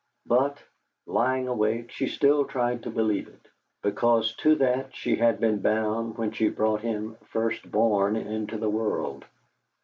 But, lying awake, she still tried to believe it, because to that she had been bound when she brought him, firstborn, into the world.